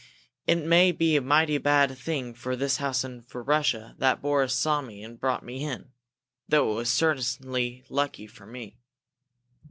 It may be a mighty bad thing for this house and for Russia that Boris saw me and brought me in, though it was certainly lucky for me!"